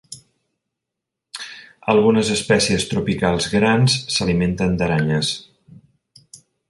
Algunes espècies tropicals grans s'alimenten d'aranyes.